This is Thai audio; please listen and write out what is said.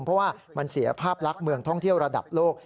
เพราะว่ามันเสียภาพลักษณ์เมืองท่องเที่ยวระดับโลก